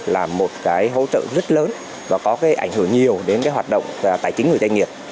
là một cái hỗ trợ rất lớn và có cái ảnh hưởng nhiều đến cái hoạt động tài chính của doanh nghiệp